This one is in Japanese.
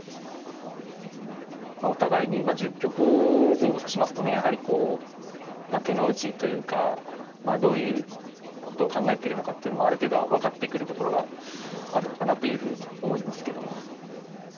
お互いに１０局前後指しますとねやはりこう手の内というかまあどういうことを考えてるのかっていうのもある程度は分かってくるところがあるのかなというふうに思いますけども。